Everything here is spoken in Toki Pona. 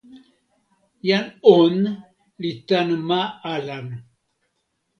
jan On li tan ma Alan.